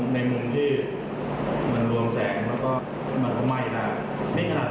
มันไม่จะดวมมาก